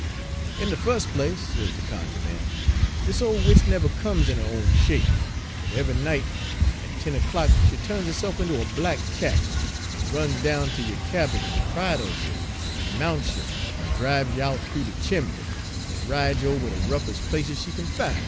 " 'In de fus' place,' sez de cunjuh man, 'dis ole witch nebber comes in her own shape, but eve'y night, at ten o'clock, she tu'ns herse'f inter a black cat, en runs down ter yo' cabin en bridles you, en mounts you, en dribes you out th'oo de chimbly, en rides you ober de roughes' places she kin fin'.